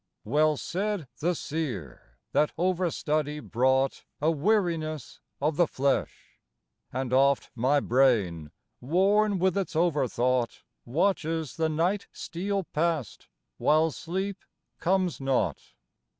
Well said the Seer, that overstudy brought A weariness of the flesh; And oft my brain, worn with its overthought, Watches the night steal past, while sleep comes not.